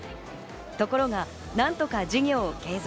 ところが何とか事業を継続。